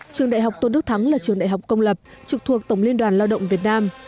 trường đại học tôn đức thắng là trường đại học công lập trực thuộc tổng liên đoàn lao động việt nam